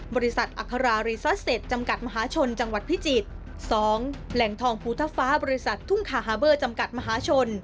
บริษัทอัครารีซาเซ็ตจำกัดมหาชนจังหวัดพิจิตร๒แหล่งทองภูทฟ้าบริษัททุ่งคาฮาเบอร์จำกัดมหาชน